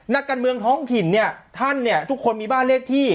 นักการเมืองท้องถิ่นเนี่ยท่านเนี่ยทุกคนมีบ้านเลขที่